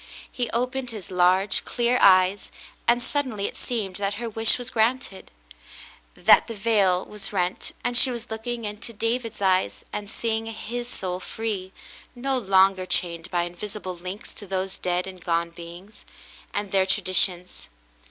He opened his large, clear eyes, and suddenly it seemed that her wish was granted, — that the veil was rent and she was look ing into David's eyes and seeing his soul free, no longer chained by invisible links to those dead and gone beings, and their traditions.